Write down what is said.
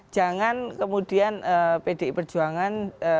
jangan kemudian pdi perjuangan